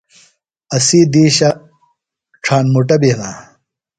اسی دِیشہ ڇھاݨ مُٹہ بیۡ ہِنہ۔